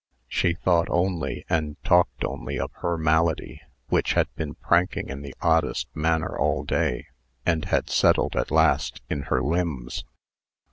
She thought only, and talked only, of her malady, which had been pranking in the oddest manner all day, and had settled, at last, in her "limbs."